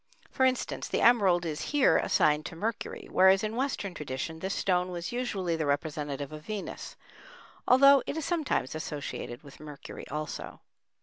For instance, the emerald is here assigned to Mercury, whereas in Western tradition this stone was usually the representative of Venus, although it is sometimes associated with Mercury also.